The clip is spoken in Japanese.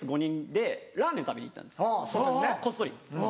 こっそり。